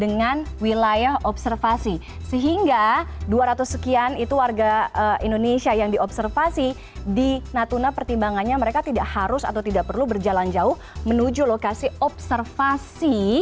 dengan wilayah observasi sehingga dua ratus sekian itu warga indonesia yang diobservasi di natuna pertimbangannya mereka tidak harus atau tidak perlu berjalan jauh menuju lokasi observasi